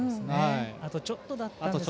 あとちょっとだったんですよ。